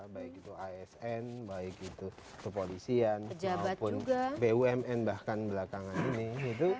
baik itu asn baik itu kepolisian maupun bumn bahkan belakangan ini